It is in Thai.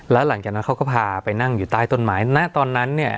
แล้วหลังจากนั้นเขาก็พาไปนั่งอยู่ใต้ต้นไม้ณตอนนั้นเนี่ย